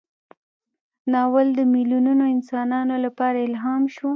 ناول د میلیونونو انسانانو لپاره الهام شو.